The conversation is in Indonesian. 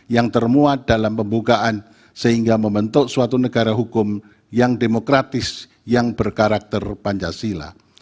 yang termuat dalam pembukaan sehingga membentuk suatu negara hukum yang demokratis yang berkarakter pancasila